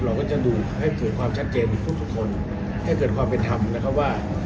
เราก็จะดูให้เกิดความชัดเจนของทุกคนให้เกิดความเป็นธรรมนะครับว่า